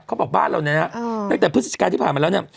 เขาบอกบ้านเราเนี่ยนะตั้งแต่พฤศจิกาที่ผ่านมาแล้วเนี่ย